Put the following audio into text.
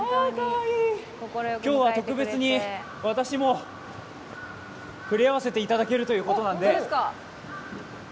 今日は特別に私も触れ合わせていただけるということなので。